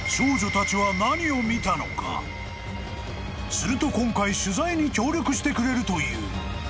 ［すると今回取材に協力してくれるという］